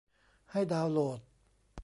ให้ดาวน์โหลด